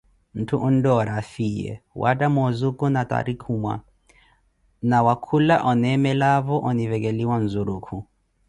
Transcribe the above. ntthu ontoori afiyiye, waattamo ozuku natarikumwa, na wa khula oneemelavo onivekhelowa nzurukhu.